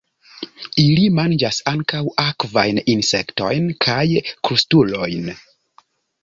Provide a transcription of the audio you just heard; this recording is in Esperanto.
Ili manĝas ankaŭ akvajn insektojn kaj krustulojn.